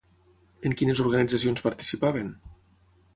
En quines organitzacions participaven?